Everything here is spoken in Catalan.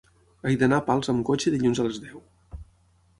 He d'anar a Pals amb cotxe dilluns a les deu.